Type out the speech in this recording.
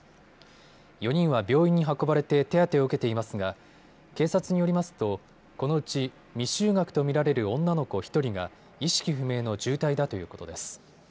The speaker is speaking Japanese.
４人は病院に運ばれて手当てを受けていますが警察によりますとこのうち未就学と見られる女の子１人が意識不明の重体だということです。